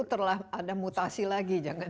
setelah itu ada mutasi lagi